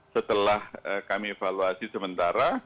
setelah kami evaluasi sementara